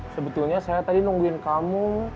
sebetulnya saya tadi nungguin kamu